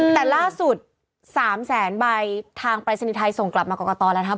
แต่ล่าสุด๓แสนใบทางปรายศนีย์ไทยส่งกลับมากรกตแล้วนะครับ